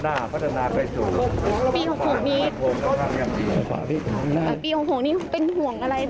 เจ้าพวกเจ้าห่วงอะไรไหมล่ะห่วงไหมห่วงไหม